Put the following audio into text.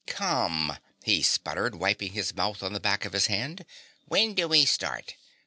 "Come," he sputtered, wiping his mouth on the back of his hand. "When do we start?